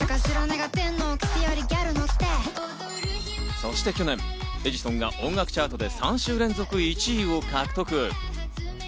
そして去年、『エジソン』が音楽チャートで３週連続１位を獲得。